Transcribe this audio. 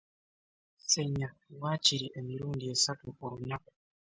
Senya waakiri emirundi esatu olunaku.